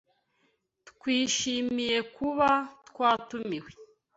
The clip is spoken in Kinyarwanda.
Twishimiye kuba twatumiwe.